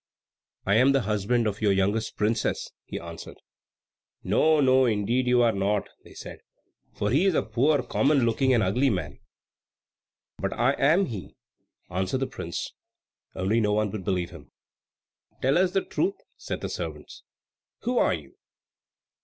"I am the husband of your youngest princess," he answered. "No, no, indeed you are not," they said; "for he is a poor, common looking, and ugly man." "But I am he," answered the prince; only no one would believe him. "Tell us the truth," said the servants; "who are you?"